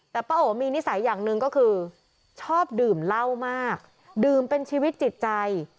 แต่ป้าโอ๋มีนิสัยอย่างหนึ่งก็คือชอบดื่มเหล้ามากดื่มเป็นชีวิตจิตใจ